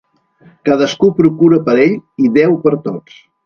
Cadascú procura per ell i Déu per tots.